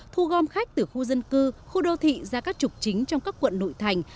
thu gom khách từ khu dân cư khu đô thị ra các trục chính trong các quận nội thành